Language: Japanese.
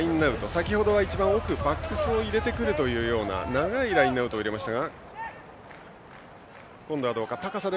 先ほどは奥でバックスを入れてくるという長いラインアウトを入れました。